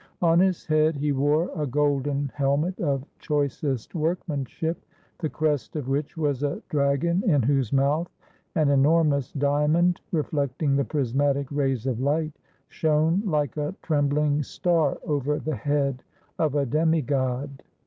On his head he wore a golden helmet of choicest workmanship, the crest of which was a dragon in whose mouth an enormous diamond, reflecting the prismatic rays of light, shone like a trembling star over the head of a demi god.